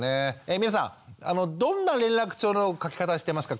皆さんどんな連絡帳の書き方してますか？